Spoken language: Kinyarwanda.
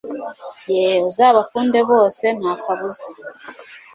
yeee uzabakunde bose ntakabuza